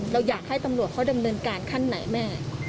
เราอยากให้ตำรวจเขาดำเนินการขั้นไหนแม่